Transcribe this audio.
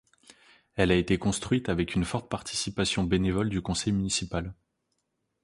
Elle a été construite avec une forte participation bénévole du conseil municipal.